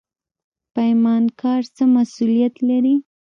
پیمانکار څه مسوولیت لري؟